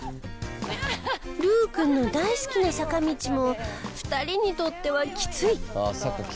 ルーくんの大好きな坂道も２人にとってはきつい！